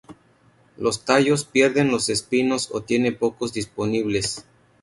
Los tallos pierden los espinos o tiene pocos disponibles.